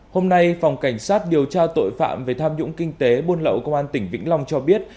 hôm nay phòng cảnh sát điều tra tội phạm về tham nhũng kinh tế buôn lậu công an tỉnh vĩnh long cho biết